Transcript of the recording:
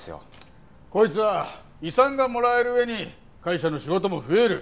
こいつは遺産がもらえる上に会社の仕事も増える。